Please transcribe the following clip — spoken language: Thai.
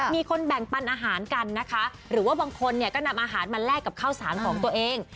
มีคนแบ่งปันอาหารกันนะคะหรือว่าบางคนเนี่ยก็นำอาหารมาแลกกับข้าวสารของตัวเอง